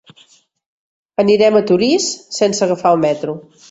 Anirem a Torís sense agafar el metro.